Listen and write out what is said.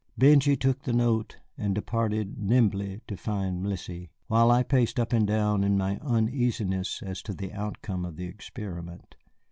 Benjy took the note, and departed nimbly to find Mélisse, while I paced up and down in my uneasiness as to the outcome of the experiment.